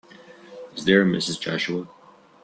Is there a Mrs. Joshua?